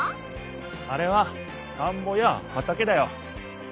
あれは田んぼや畑だよ。